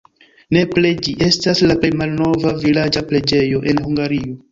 Nepre ĝi estas la plej malnova vilaĝa preĝejo en Hungario.